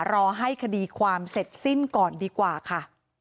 รอให้คดีความเสร็จสิ้นก่อนดีกว่าค่ะ